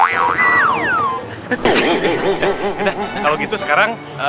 ya udah kalau gitu sekarang